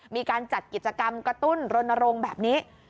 มีการจัดกิจกรรมกระตุ้นรณรงค์แบบนี้